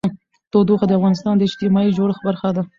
تودوخه د افغانستان د اجتماعي جوړښت برخه ده.